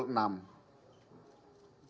kemudian pelaku selama sekian hari